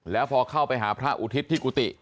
แล้วพอเข้าไปหาพระอุทิศที่กุฏิ